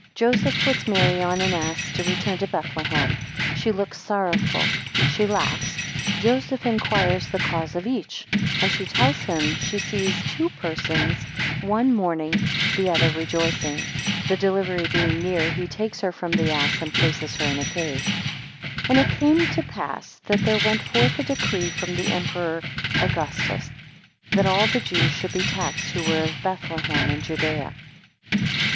5 Joseph puts Mary on an ass, to return to Bethlehem, 6 she looks sorrowful, 7 she laughs, 8 Joseph inquires the cause of each, 9 she tells him she sees two persons, one mourning and the other rejoicing. 10 The delivery being near, he takes her from the ass, and places her in a cave. AND it came to pass, that there went forth a decree from the Emperor Augustus, that all the Jews should be taxed, who were of Bethlehem in Judaea.